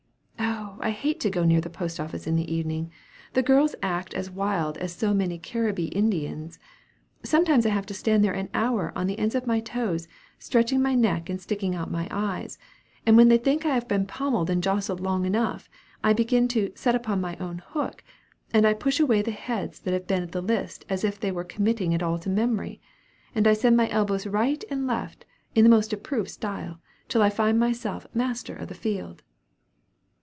"Oh, I hate to go near the post office in the evening; the girls act as wild as so many Caribbee Indians. Sometimes I have to stand there an hour on the ends of my toes, stretching my neck, and sticking out my eyes; and when I think I have been pommeled and jostled long enough, I begin to 'set up on my own hook,' and I push away the heads that have been at the list as if they were committing it all to memory, and I send my elbows right and left in the most approved style, till I find myself 'master of the field.'"